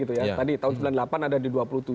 tadi tahun sembilan puluh delapan ada di dua puluh tujuh